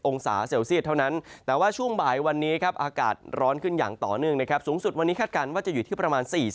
องศาเซลเซียตเท่านั้นแต่ว่าช่วงบ่ายวันนี้ครับอากาศร้อนขึ้นอย่างต่อเนื่องนะครับสูงสุดวันนี้คาดการณ์ว่าจะอยู่ที่ประมาณ๔๐